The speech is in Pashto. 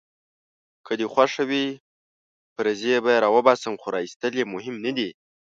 که دي خوښه وي پرزې به يې راوباسم، خو راایستل يې مهم نه دي.